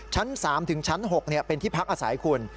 ชั้น๓ถึงชั้น๖เป็นที่พักอาศัยคุณ